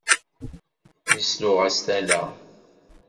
Yesluɣ-as tala.